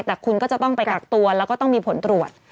แต่คุณก็จะต้องไปกักตัวแล้วก็ต้องมีผลตรวจ